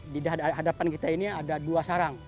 di hadapan kita ini ada dua sarang